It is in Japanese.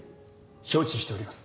承知しております。